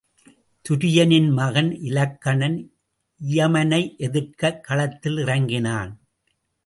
துரியனின் மகன் இலக்கணன் இயமனை எதிர்க்கக் களத்தில் இறங்கினான்.